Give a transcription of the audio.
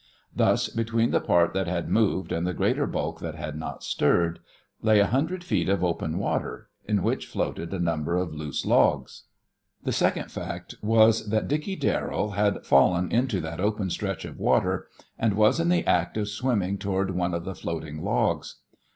Thus between the part that had moved and the greater bulk that had not stirred lay a hundred feet of open water in which floated a number of loose logs. The second fact was, that Dickey Darrell had fallen into that open stretch of water and was in the act of swimming toward one of the floating logs.